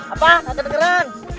apa tante tenggerang